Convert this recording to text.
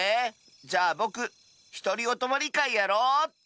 じゃあぼくひとりおとまりかいやろうっと。